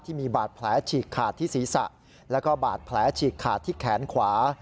ที่มีบาดแผลฉีกขาดที่ศีรษะแล้วก็บาดแผลฉีกขาดที่แขนขวา